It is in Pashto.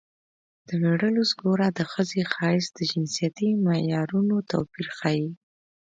د مېړه لوز ګوره د ښځې ښایست د جنسیتي معیارونو توپیر ښيي